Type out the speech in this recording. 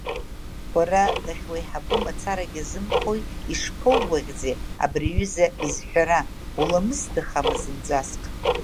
Уара дахьуеиҳабу мацарагь азымхои, ишԥоугәаӷьӡеи абри аҩыза изҳәара, уламысдахама зынӡаск?!